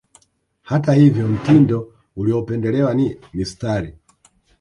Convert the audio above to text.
Hata hivyo mtindo uliopendelewa ni mistari